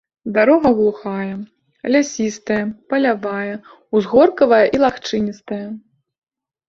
Дарога глухая, лясістая, палявая, узгоркаватая і лагчыністая.